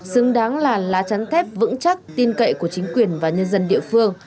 xứng đáng là lá chắn thép vững chắc tin cậy của chính quyền và nhân dân địa phương